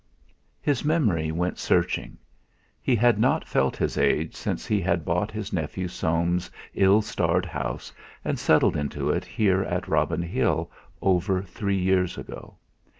His memory went searching. He had not felt his age since he had bought his nephew Soames' ill starred house and settled into it here at Robin Hill over three years ago.